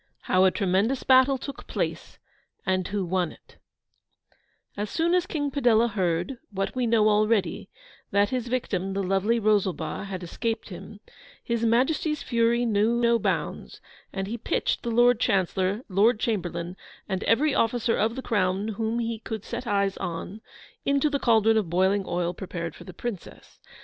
HOW A TREMENDOUS BATTLE TOOK PLACE, AND WHO WON IT As soon as King Padella heard, what we know already, that his victim, the lovely Rosalba, had escaped him, His Majesty's fury knew no bounds, and he pitched the Lord Chancellor, Lord Chamberlain, and every officer of the Crown whom he could set eyes on, into the cauldron of boiling oil prepared for the Princess.